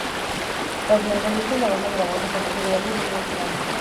Tras su lanzamiento, la banda grabó el reconocido álbum "Niño gigante".